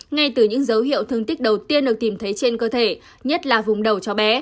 ngay từ những dấu hiệu thương tích đầu tiên được tìm thấy trên cơ thể nhất là vùng đầu cho bé